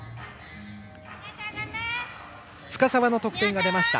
深沢の得点が出ました。